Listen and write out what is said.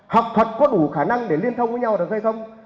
học thuật có đủ khả năng để liên thông với nhau được hay không